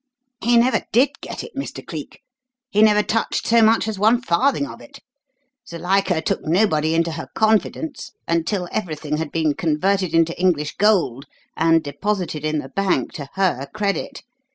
"He never did get it, Mr. Cleek he never touched so much as one farthing of it. Zuilika took nobody into her confidence until everything had been converted into English gold and deposited in the bank to her credit.